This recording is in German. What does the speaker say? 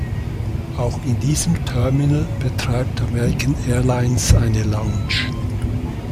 Auch in diesem Terminal betreibt American Airlines eine Lounge.